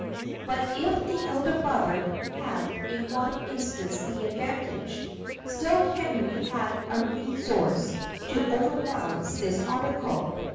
But if the elder brother had in one instance the advantage, still Henry had a resource to overbalance this article.